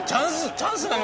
チャンス！